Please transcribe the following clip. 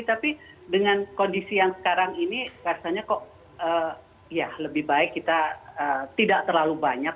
tapi dengan kondisi yang sekarang ini rasanya kok ya lebih baik kita tidak terlalu banyak